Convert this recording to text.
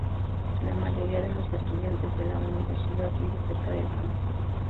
La mayoría de los estudiantes de la universidad vive cerca del campus.